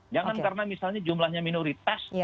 jangan karena misalnya jumlahnya minoritas